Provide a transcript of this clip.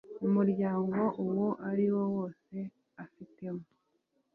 mu muryango uwo ariwo wose afitemo